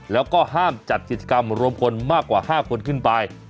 แล้วก็ห้ามจัดกิจกรรมรวมคนมากกว่า๕คนขึ้นไป